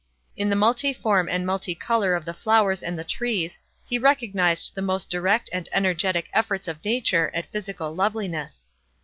In the multiform and multicolor of the flowers and the trees, he recognised the most direct and energetic efforts of Nature at physical loveliness.